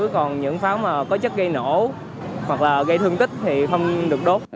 còn những pháo có chất gây nổ hoặc là gây thương tích thì không được đốt